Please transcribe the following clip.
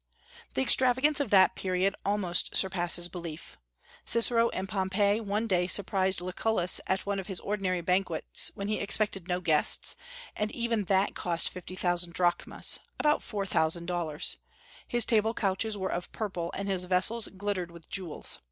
The extravagance of that period almost surpasses belief. Cicero and Pompey one day surprised Lucullus at one of his ordinary banquets, when he expected no guests, and even that cost fifty thousand drachmas, about four thousand dollars; his table couches were of purple, and his vessels glittered with jewels.